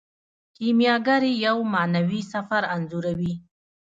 کیمیاګر یو معنوي سفر انځوروي.